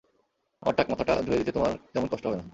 আমার টাক মাথাটা ধুয়ে দিতে তোমার তেমন কষ্ট হবে না।